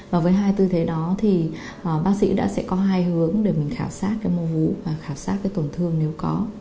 và với hai tư thế đó thì bác sĩ đã sẽ có hai hướng để mình khảo sát cái mô vú và khảo sát cái tổn thương nếu có